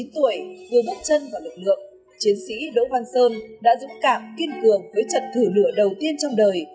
một mươi chín tuổi vừa bắt chân vào lực lượng chiến sĩ đỗ văn sơn đã dũng cảm kiên cường với trận thử lửa đầu tiên trong đời